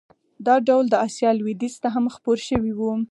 دا ډول د اسیا لوېدیځ ته هم خپور شوی و.